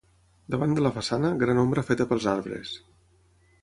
Davant de la façana, gran ombra feta pels arbres.